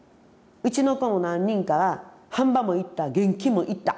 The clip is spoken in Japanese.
うちの子も何人かは「飯場」も行った「現金」も行った。